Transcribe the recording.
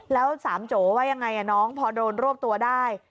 แล้วสามโจว่ายังไงน้องพอโดนรวบตัวได้